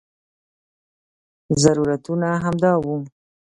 ضرورتونه همدا وو.